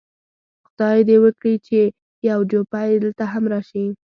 خدای دې وکړي چې یو جوپه یې دلته هم راشي.